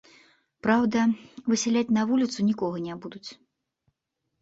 Праўда, высяляць на вуліцу нікога не будуць.